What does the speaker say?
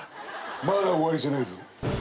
まだ終わりじゃないぞ。